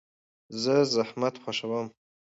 زه زحمت خوښوم.